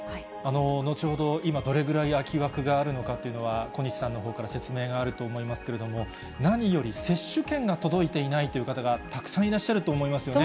後ほど、今、どれぐらい空き枠があるのかというのは、小西さんのほうから説明があると思いますけれども、何より接種券が届いていないという方がたくさんいらっしゃると思いますよね。